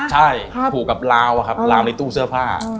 ใช่ผูกกับลาวอะครับลาวในตู้เสื้อผ้า